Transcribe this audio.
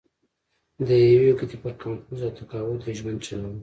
د یوې ګوتې پر کمپوز او تقاعد یې ژوند چلوله.